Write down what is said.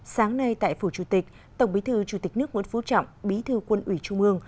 sáng nay tại phủ chủ tịch tổng bí thư chủ tịch nước nguyễn phú trọng bí thư quân ủy trung ương